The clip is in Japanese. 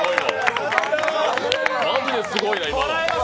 マジですごいな、今の。